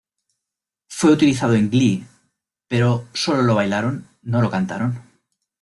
Fue utilizado en Glee, pero solo lo bailaron, no lo cantaron.